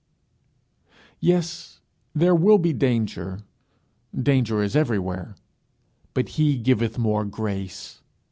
Yes, there will be danger danger as everywhere; but he giveth more grace.